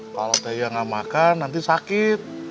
kalau tegak gak makan nanti sakit